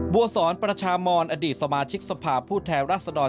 บัวสอนประชามอนอดีตสมาชิกสภาพผู้แทนรัศดร